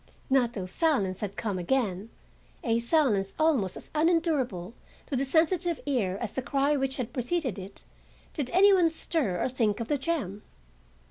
Not till silence had come again—a silence almost as unendurable to the sensitive ear as the cry which had preceded it—did any one stir or think of the gem.